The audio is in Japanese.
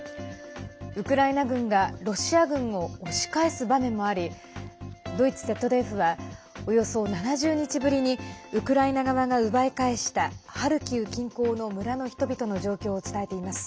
ウクライナ軍がロシア軍を押し返す場面もありドイツＺＤＦはおよそ７０日ぶりにウクライナ側が奪い返したハルキウ近郊の村の人々の状況を伝えています。